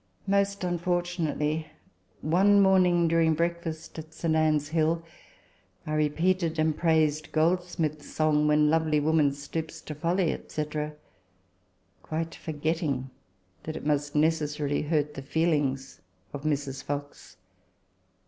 Most unfortunately, one morning during break fast at St. Anne's Hill, I repeated and praised Goldsmith's song, "When lovely woman stoops to folly," &c., quite forgetting that it must necessarily hurt the feelings of Mrs. Fox.